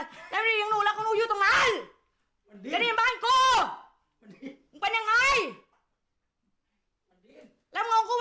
แล้วอยู่อีกทีแล้วมาอันนี้ของหนู